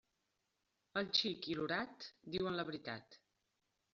El xic i l'orat diuen la veritat.